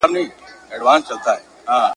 چي اولسونو لره زوال دی !.